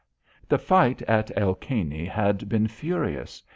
The fight at El Caney had been furious.